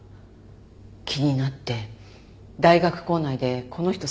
気になって大学構内でこの人捜してたの。